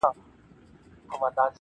ضمیر غواړم چي احساس د سلګو راوړي-